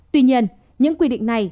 tuy nhiên những quy định này